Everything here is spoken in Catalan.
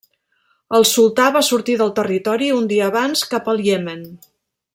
El sultà va sortir del territori un dia abans, cap al Iemen.